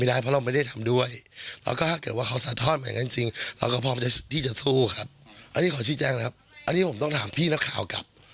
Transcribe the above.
อะไรที่ผมต้องถามพี่และข่าวกับ